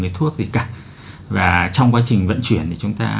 cái thuốc gì cả và trong quá trình vận chuyển thì chúng ta